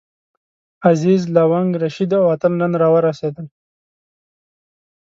عزیز، لونګ، رشید او اتل نن راورسېدل.